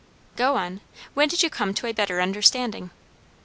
"Go on. When did you come to a better understanding?"